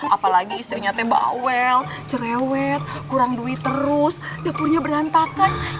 apalagi istrinya tembak wel cerewet kurang duit terus dapurnya berantakan